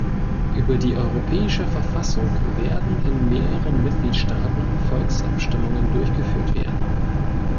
Über die Europäische Verfassung werden in mehreren Mitgliedstaaten Volksabstimmungen durchgeführt werden.